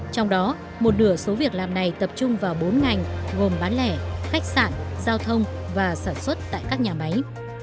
trong đó một nửa số việc làm này tập trung vào bốn ngành gồm bán lẻ khách sạn giao thông và sản xuất tại các nhà máy